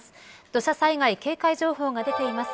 土砂災害警戒情報が出ています